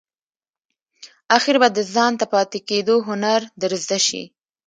آخیر به د ځانته پاتې کېدو هنر در زده شي !